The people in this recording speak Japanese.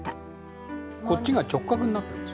こっちが直角になってるんです。